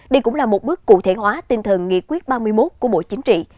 đây cũng là một bước cụ thể hóa tinh thần nghị quyết ba mươi một của bộ chính trị